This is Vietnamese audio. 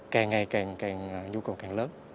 càng ngày càng nhu cầu càng lớn